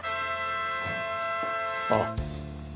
あっ。